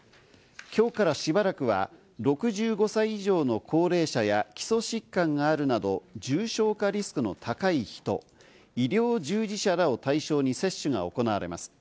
今日からしばらくは６５歳以上の高齢者や、基礎疾患があるなど、重症化リスクの高い人、医療従事者などを対象に接種が行われます。